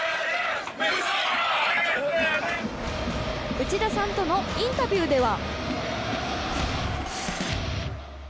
内田さんとのインタビューでは。